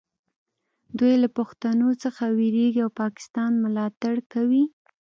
دوی له پښتنو څخه ویریږي او پاکستان ملاتړ کوي